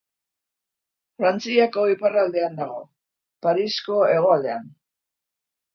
Frantziako iparraldean dago, Parisko hegoaldean.